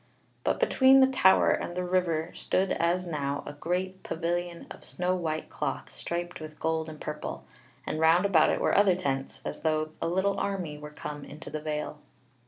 But between the tower and the river stood as now a great pavilion of snow white cloth striped with gold and purple; and round about it were other tents, as though a little army were come into the vale.